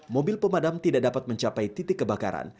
mobil pemadam tidak dapat mencapai titik kebakaran